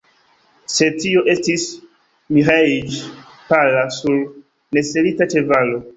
Sed tio estis Miĥeiĉ, pala, sur neselita ĉevalo.